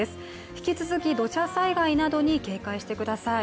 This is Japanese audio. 引き続き土砂災害などに警戒してください。